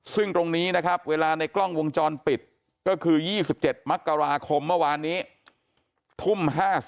ซึ่งตรงนี้นะครับเวลาในกล้องวงจรปิดก็คือ๒๗มกราคมเมื่อวานนี้ทุ่ม๕๐